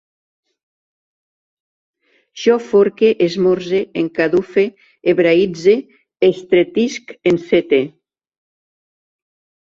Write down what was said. Jo forque, esmorze, encadufe, hebraïtze, estretisc, encete